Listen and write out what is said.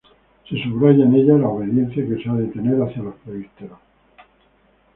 Se subraya en ella la obediencia que se ha de tener hacia los presbíteros.